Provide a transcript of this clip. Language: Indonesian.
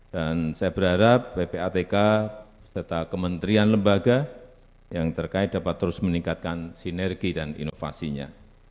dan saya berharap bpatk serta kementerian lembaga yang terkait dapat terus meningkatkan sinergi dan inovasinya